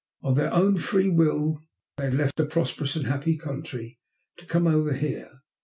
"Of their own free will they had left a prosperous and happy country to come over here.